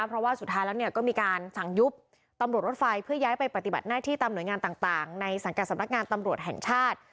เพราะว่าสุดท้ายแล้วเนี่ยก็มีการสั่งยุบตำรวจรถไฟเพื่อย้ายไปปฏิบัติหน้าที่ตามหน่วยงานต่างในสังกัดสำนักงานตำรวจแห่งชาติ